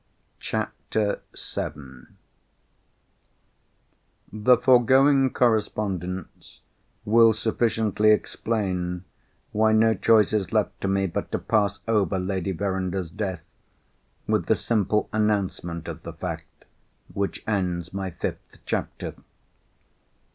] CHAPTER VII The foregoing correspondence will sufficiently explain why no choice is left to me but to pass over Lady Verinder's death with the simple announcement of the fact which ends my fifth chapter.